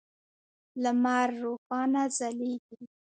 لمر روښانه ځلیږی